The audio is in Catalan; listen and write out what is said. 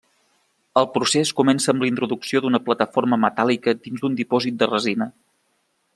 El procés comença amb la introducció d'una plataforma metàl·lica dins un dipòsit de resina.